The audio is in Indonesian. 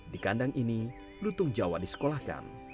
di kandang ini lutung jawa disekolahkan